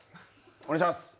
お願いします！